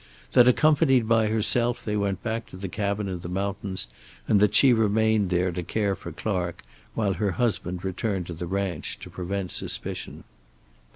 That accompanied by herself they went back to the cabin in the mountains and that she remained there to care for Clark, while her husband returned to the ranch, to prevent suspicion.